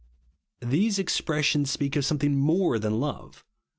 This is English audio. These expressions speak of something more than love.